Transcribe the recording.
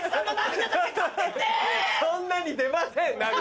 そんなに出ません涙。